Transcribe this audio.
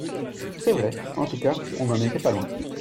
C’est vrai ! En tout cas, on n’en était pas loin.